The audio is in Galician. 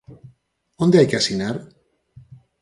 ¿Onde hai que asinar?